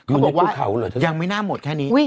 อยู่ในทุกเขาหรอท่านมั้ยยังไม่น่าหมดแค่นี้